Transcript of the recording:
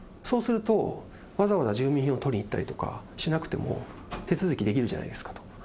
そうすると、わざわざ住民票を取りに行ったりとかしなくても手続きできるじゃないですかと。